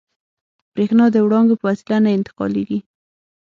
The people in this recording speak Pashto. برېښنا د وړانګو په وسیله نه انتقالېږي.